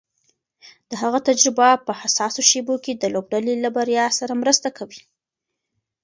د هغه تجربه په حساسو شېبو کې د لوبډلې له بریا سره مرسته کوي.